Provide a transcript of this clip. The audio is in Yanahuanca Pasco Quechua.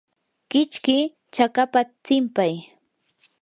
kichki chakapa tsinpay.